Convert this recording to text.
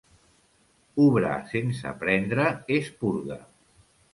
Obrar sense prendre és purga.